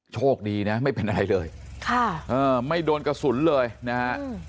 โชคดีนะไม่เป็นอะไรเลยค่ะไม่โดนกระสุนเลยนะฮะ